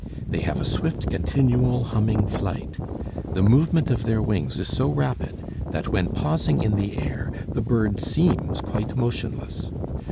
They have a swift continual humming flight. The movement of their wings is so rapid that when pausing in the air, the bird seems quite motionless.